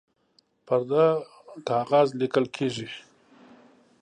پر ده کاغذ لیکل کیږي